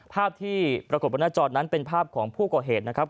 ภาพที่ปรากฏบนหน้าจอนั้นเป็นภาพของผู้ก่อเหตุนะครับ